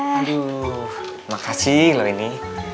aduh makasih loini